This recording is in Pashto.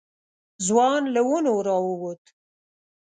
ځوان له ونو راووت.